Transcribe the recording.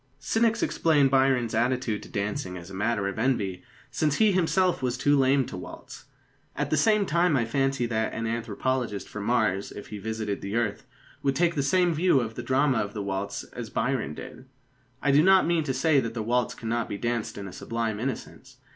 Cynics explain Byron's attitude to dancing as a matter of envy, since he himself was too lame to waltz. At the same time, I fancy that an anthropologist from Mars, if he visited the earth, would take the same view of the drama of the waltz as Byron did. I do not mean to say that the waltz cannot be danced in a sublime innocence.